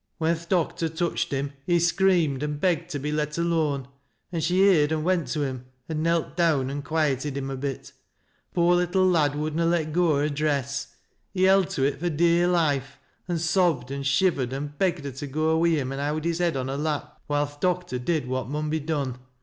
When th' doctor touched him he screamed an' begged to be let alone, an' she heerd an' went to him, an' knelt down an' quieted him a bit. Th' poor little lad would na let go o' her dress ; he held to it fui dear life, an' sobbed an' shivered and begged her to go wi him an' howd his head on Iier lap while th' doctor did what mun be done.